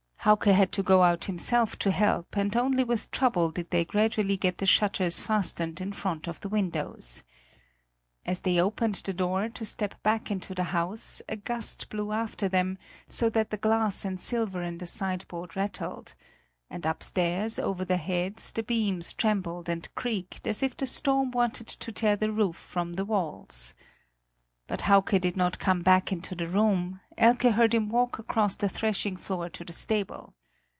Hauke had to go out himself to help, and only with trouble did they gradually get the shutters fastened in front of the windows. As they opened the door to step back into the house a gust blew after them so that the glass and silver in the sideboard rattled; and upstairs, over their heads the beams trembled and creaked, as if the storm wanted to tear the roof from the walls. But Hauke did not come back into the room; Elke heard him walk across the threshing floor to the stable.